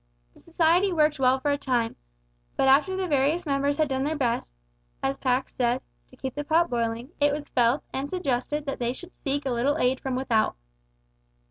The society worked well for a time, but after the various members had done their best, as Pax said, to keep the pot boiling, it was felt and suggested that they should seek a little aid from without.